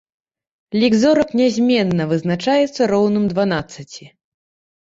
Лік зорак нязменна, вызначаецца роўным дванаццаці.